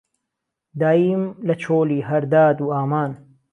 داييم له چۆلی هەر داد و ئامان